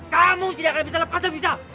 kamu tidak akan bisa melepaskan nabi sya